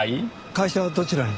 会社はどちらに？